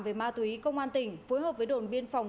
về ma túy công an tỉnh phối hợp với đồn biên phòng